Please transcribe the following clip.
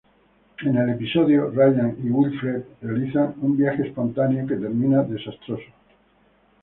En el episodio, Ryan y Wilfred realizan un viaje espontáneo que termina desastroso.